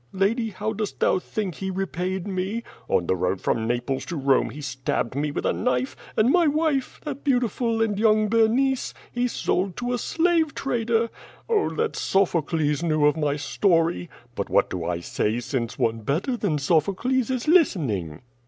Lady how dost thou think he repaid me? On the road from Naples to Rome he stabbed me with a knife, and my wife, the beautiful and young Berenice, he sold to a slave trader. Oh that Sophocles knew of my story! But what do I say! since one better than Sophocles is listening."